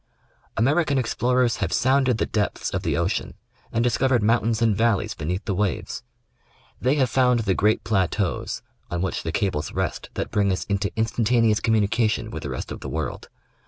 American explorers have sounded the depths of the ocean and discovered mountains and valleys beneath the waves. They have found the great plateaus on which the cables rest that bring us into instantaneous communication with the rest of the world.